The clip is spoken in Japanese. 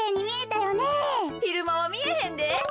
ひるまはみえへんで。